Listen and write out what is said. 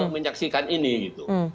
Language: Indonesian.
menyaksikan ini gitu